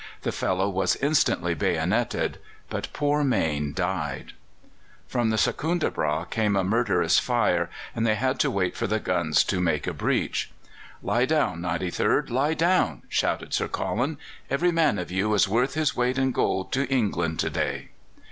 The fellow was instantly bayoneted, but poor Mayne died. From the Secundrabâgh came a murderous fire, and they had to wait for the guns to make a breach. "Lie down, 93rd, lie down!" shouted Sir Colin. "Every man of you is worth his weight in gold to England to day."